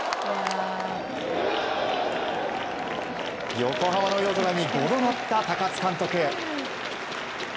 横浜の夜空に５度舞った高津監督。